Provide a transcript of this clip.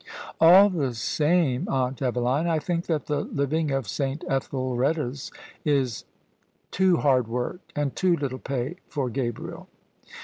" All the same, Aunt Eveline, I think that the living of S. Etheldreda's is too hard work and too little pay for Gabriel."